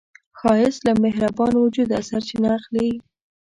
ښایست له مهربان وجوده سرچینه اخلي